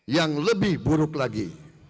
yang lebih buruk lagi